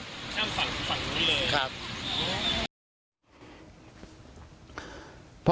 ข้ามฝั่งฝั่งนู้นเลยครับ